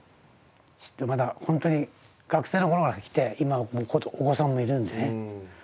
まだ本当に学生の頃から来て今お子さんもいるんでね。